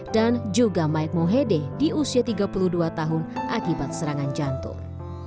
dan juga mike mohede di usia tiga puluh dua tahun akibat serangan jantung